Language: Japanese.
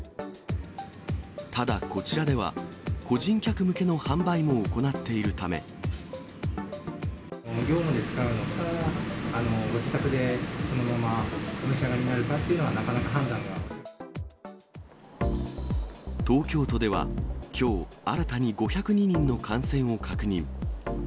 ただ、こちらでは、個人客向けの業務で使うのか、ご自宅でそのままお召し上がりになるかっていうのは、なかなか判東京都ではきょう、新たに５０２人の感染を確認。